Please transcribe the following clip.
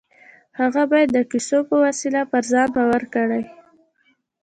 هغه بايد د کيسو په وسيله پر ځان باور کړي.